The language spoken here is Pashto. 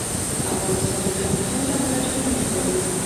افغانستان د کندهار له امله شهرت لري.